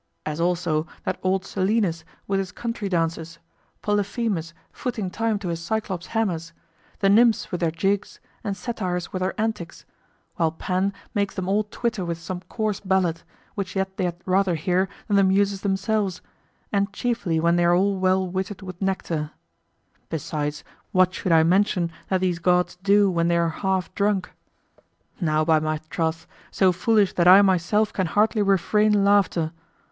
As also that old Silenus with his country dances, Polyphemus footing time to his Cyclops hammers, the nymphs with their jigs, and satyrs with their antics; while Pan makes them all twitter with some coarse ballad, which yet they had rather hear than the Muses themselves, and chiefly when they are well whittled with nectar. Besides, what should I mention what these gods do when they are half drunk? Now by my troth, so foolish that I myself can hardly refrain laughter.